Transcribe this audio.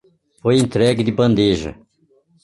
Foi entregue de bandeja